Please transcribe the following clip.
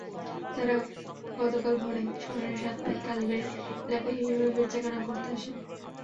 তাঁরা গতকাল ভোরে শহরের সাতপাই কালীবাড়ি এলাকায় ইয়াবা বেচাকেনা করতে আসেন।